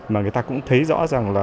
mà người ta cũng thấy rõ rằng là